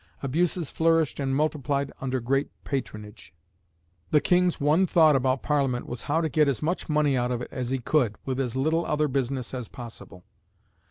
Abuses flourished and multiplied under great patronage. The King's one thought about Parliament was how to get as much money out of it as he could, with as little other business as possible.